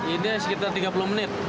ini sekitar tiga puluh menit